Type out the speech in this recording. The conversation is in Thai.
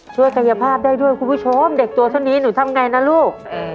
กายภาพได้ด้วยคุณผู้ชมเด็กตัวเท่านี้หนูทำไงนะลูก